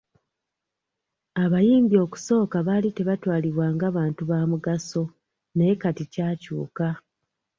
Abayimbi okusooka baali tebaatwalibwa nga bantu ba mugaso naye kati kyakyuka.